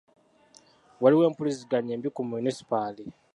Waliwo empuliziganya embi ku munisipaali.